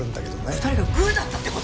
２人がグルだったって事？